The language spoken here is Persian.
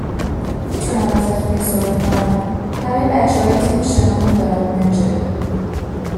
میتونم ازتون یه سوالی کنم همهی بچههای تیم شنامون دارن میرن جبهه